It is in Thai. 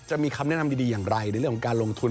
จะมีคำแนะนำดีอย่างไรในเรื่องของการลงทุน